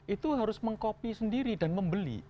itu harus mengkopi sendiri dan membeli